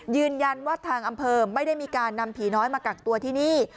ยืนยันว่าทางอำเภอไม่ได้มีการนำผีน้อยมากักตัวที่นี่